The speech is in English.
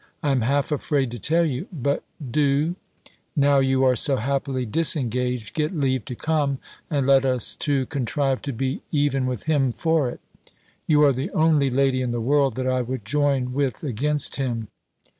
I am half afraid to tell you: but do, now you are so happily disengaged, get leave to come, and let us two contrive to be even with him for it. You are the only lady in the world that I would join with against him.